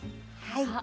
はい。